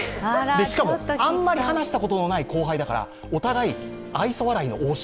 しかも、あんまり話したことのない後輩だからお互い、愛想笑いの応酬。